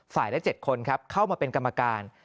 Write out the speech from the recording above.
ละ๗คนครับเข้ามาเป็นกรรมการ